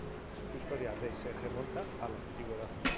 Su historia de se remonta a la Antigüedad.